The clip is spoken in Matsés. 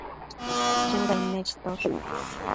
Tsudain nechitosh